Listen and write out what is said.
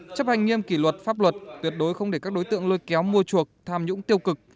chấp hành nghiêm kỷ luật pháp luật tuyệt đối không để các đối tượng lôi kéo mua chuộc tham nhũng tiêu cực